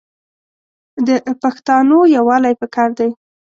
د پښتانو یوالي پکار دی.